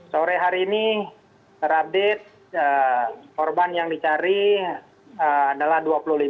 sore hari ini terupdate korban yang dicari adalah dua puluh lima